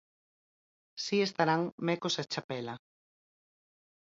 Si estarán Mecos e Chapela.